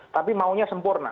tapi maunya sempurna